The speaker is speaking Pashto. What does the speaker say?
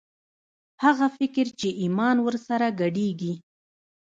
هغه فکر چې ایمان ور سره ګډېږي